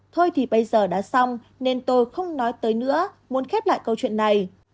thôi thì bây giờ đã xong nên tôi không nói tới nữa muốn khép lại câu chuyện này